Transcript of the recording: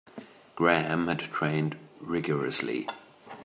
Graham had trained rigourously.